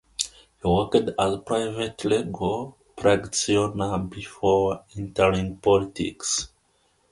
He worked as private legal practitioner before entering politics.